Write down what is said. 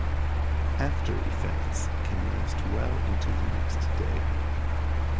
After effects can last well into the next day.